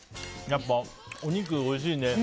やっぱりお肉がおいしいね。